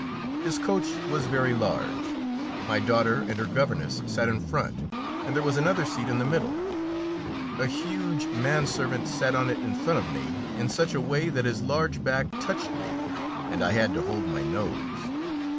His coach was very large; my daughter and her governess sat in front, and there was another seat in the middle. A huge man servant sat on it in front of me in such a way that his large back touched me and I had to hold my nose.